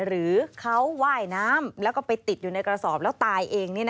หรือเขาว่ายน้ำแล้วก็ไปติดอยู่ในกระสอบแล้วตายเอง